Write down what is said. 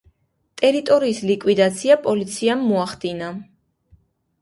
ტერორისტის ლიკვიდაცია პოლიციამ მოახდინა.